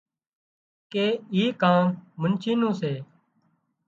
ڪي اي ڪام منڇي نُون سي